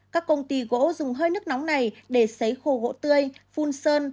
các công ty gỗ dùng hơi nước nóng này để xấy khô tươi phun sơn